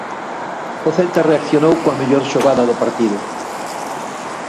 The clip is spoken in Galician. O Celta reaccionou coa mellor xogada do partido.